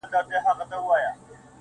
زيرى د ژوند.